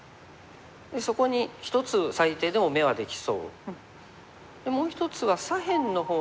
そこに１つ最低でも眼はできそう。